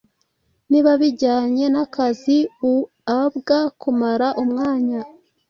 niba bijyanye nakazi uabwaKumara umwanya